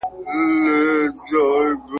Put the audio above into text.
په سینه او ټول وجود کي یې سوې څړیکي !.